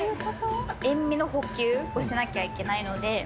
塩味の補給をしなくちゃいけないので。